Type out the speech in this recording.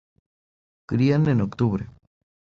Crían en octubre.